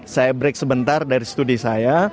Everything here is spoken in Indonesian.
saya break sebentar dari studi saya